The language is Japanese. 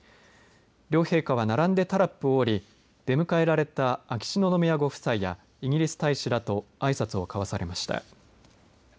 両陛下は並んでタラップを降り出迎えられた秋篠宮ご夫妻やイギリス大使らとあいさつを交わされました。